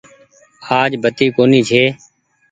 آج بتي ڪونيٚ ڇي۔